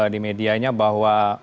di medianya bahwa